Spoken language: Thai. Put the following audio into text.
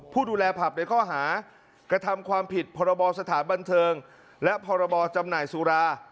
ผู้ดูแลผับในข้อหากระทำความผิดพรบสถานบันเทิงและพรบจำหน่ายสุรา